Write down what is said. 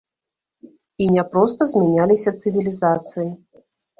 І не проста змяняліся цывілізацыі.